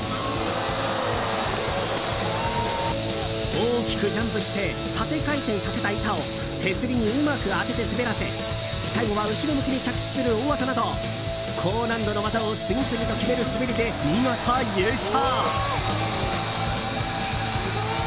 大きくジャンプして縦回転させた板を手すりにうまく当てて滑らせ最後は後ろ向きに着地する大技など高難度の技を次々と決める滑りで見事、優勝！